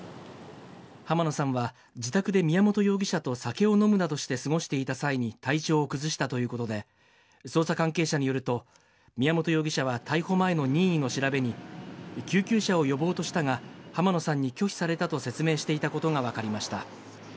濱野さんは自宅で宮本容疑者と酒を飲むなどして過ごしていた際に体調を崩したということで、捜査関係者によると、宮本容疑者は逮捕前の任意の調べに、救急車を呼ぼうとしたが、濱野さんに拒否されたと説明していたことが分かりました。